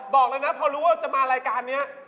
บอกเลยนะพอรู้ว่าจะมารายการนี้